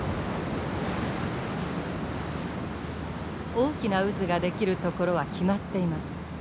大きな渦が出来る所は決まっています。